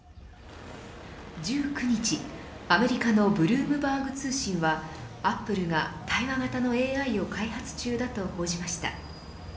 １９日、アメリカのブルームバーグ通信はアップルが対話型のＡＩを開発中だと報じました。